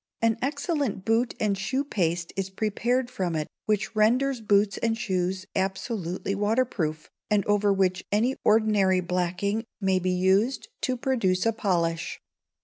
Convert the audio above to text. An excellent boot and shoe paste is prepared from it, which renders boots and shoes absolutely waterproof, and over which any ordinary blacking may be used to produce a polish.